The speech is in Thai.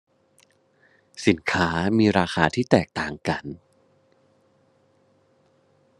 สินค้ามีราคาที่แตกต่างกัน